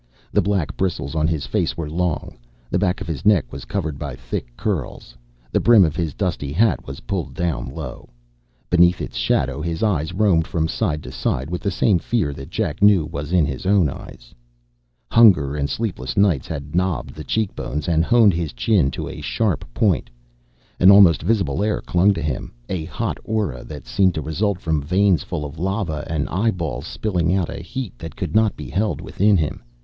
The black bristles on his face were long; the back of his neck was covered by thick curls. The brim of his dusty hat was pulled down low. Beneath its shadow his eyes roamed from side to side with the same fear that Jack knew was in his own eyes. Hunger and sleepless nights had knobbed his cheekbones and honed his chin to a sharp point. An almost visible air clung to him, a hot aura that seemed to result from veins full of lava and eyeballs spilling out a heat that could not be held within him.